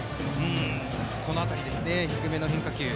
この辺りですね、低めの変化球。